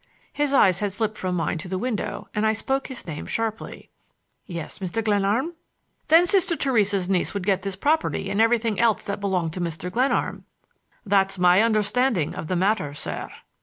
His eyes had slipped from mine to the window and I spoke his name sharply. "Yes, Mr. Glenarm." "Then Sister Theresa's niece would get this property and everything else that belonged to Mr. Glenarm." "That's my understanding of the matter, sir."